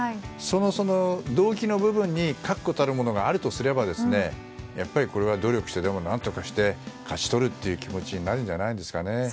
そもそもの動機の部分に確固たるものがあるとすればやっぱりこれは努力してでも何とかして勝ち取るという気持ちになるんじゃないですかね。